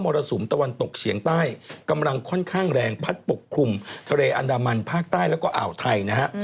รสุมตะวันตกเฉียงใต้กำลังค่อนข้างแรงพัดปกคลุมทะเลอันดามันภาคใต้แล้วก็อ่าวไทยนะฮะ